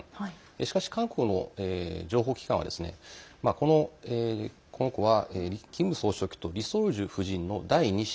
しかし、韓国の情報機関はこの子はキム総書記とリ・ソルジュ夫人の第２子